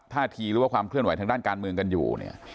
ท่าทีหรือว่าความเคลื่อนไหวทางด้านการเมืองกันอยู่เนี่ย